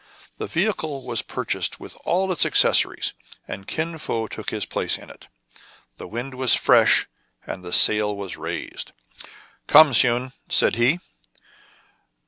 The vehicle was purchased with all its accesso ries, and Kin Fo took his place in it. The wind was fresh, and the sail was raised. '* Come, Soun !" said he.